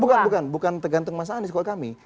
bukan bukan bukan tergantung mas ahi